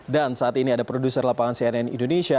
dan saat ini ada produser lapangan cnn indonesia